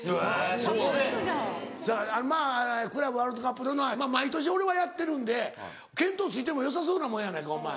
・サプライズじゃん・まぁクラブワールドカップのは毎年俺はやってるんで見当ついてもよさそうなもんやないかお前。